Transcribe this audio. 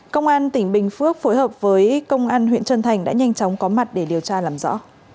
công an tỉnh bình phước phối hợp với công an huyện trân thành đã nhanh chóng có mặt để điều tra làm rõ